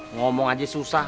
ngomong aja susah